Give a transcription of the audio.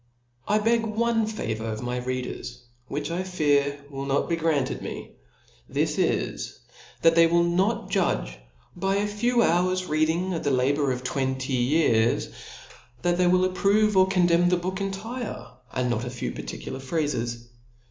I beg one favour of my readers, which I fear will not be granted me; this is, that they will not judge by a few hours reading, of the labour of twenty years ; that they will approre or condemn the book entire, and not a few The AUTHOR'S PREFACE. xxw a few pafticulitf phrafcs.